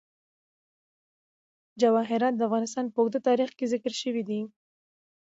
جواهرات د افغانستان په اوږده تاریخ کې ذکر شوی دی.